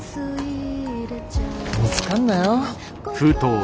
見つかんなよ。